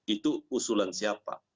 itu usulan siapa